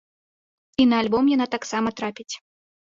І на альбом яна таксама трапіць.